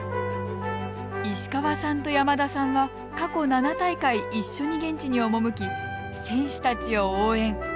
石川さんと山田さんは過去７大会一緒に現地に赴き選手たちを応援。